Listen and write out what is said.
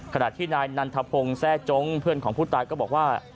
ขณะที่นายนันทพงศ์แทร่จงเพื่อนของผู้ตายก็บอกว่า